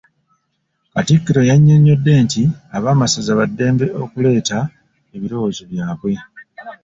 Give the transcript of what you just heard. Katikkiro yanyonyodde nti ab'amasaza ba ddembe okuleeta ebirowoozo byaabwe.